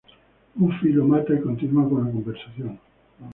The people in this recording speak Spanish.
Buffy lo mata y continúa con la conversación.